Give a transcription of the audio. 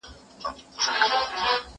داسي زهر چي مرگى د هر حيوان دي